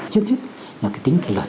trước hết là tính kỹ